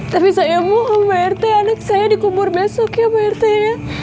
tapi saya mohon pak rt anak saya dikubur besok ya pak rt ya